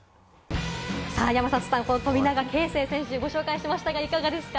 山里さん、この富永啓生選手ご紹介しましたが、いかがですか？